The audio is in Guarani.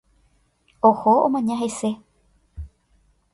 Oho omaña hese.